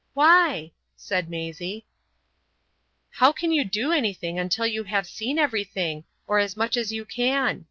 "Why?" said Maisie. "How can you do anything until you have seen everything, or as much as you can?